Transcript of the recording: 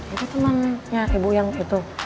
itu temannya ibu yang itu